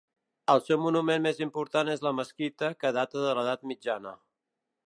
El seu monument més important és la Mesquita, que data de l'edat mitjana.